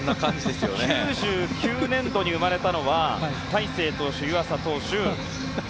９９年度に生まれたのは大勢投手、湯浅投手